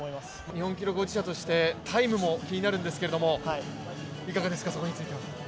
日本記録保持者としてタイムも気になるんですけれども、いかがですか。